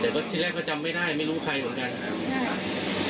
แต่ก็ที่แรกก็จำไม่ได้ไม่รู้ใครเหมือนกันครับ